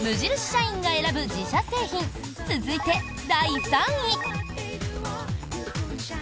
社員が選ぶ自社製品続いて、第３位。